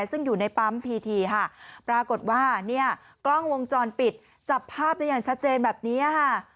ซึ่งอยู่ในปั๊มพีทีค่ะปรากฏว่าเนี่ยกล้องวงจรปิดจับภาพได้อย่างชัดเจนแบบนี้ค่ะ